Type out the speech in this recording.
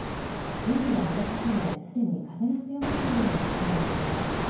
海は荒れ始めすでに風が強まっているのが確認できます。